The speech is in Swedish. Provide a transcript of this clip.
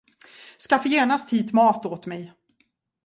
Skaffa genast hit mat åt mig!